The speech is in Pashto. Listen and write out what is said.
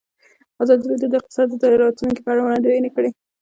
ازادي راډیو د اقتصاد د راتلونکې په اړه وړاندوینې کړې.